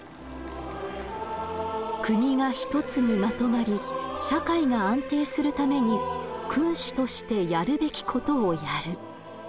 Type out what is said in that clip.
国が一つにまとまり社会が安定するために君主としてやるべきことをやる。